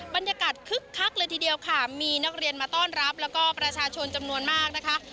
คึกคักเลยทีเดียวค่ะมีนักเรียนมาต้อนรับแล้วก็ประชาชนจำนวนมากนะคะ